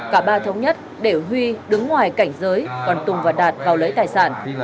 cả ba thống nhất để huy đứng ngoài cảnh giới còn tùng và đạt vào lấy tài sản